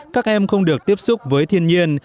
các em không được tiếp xúc với thiên nhiên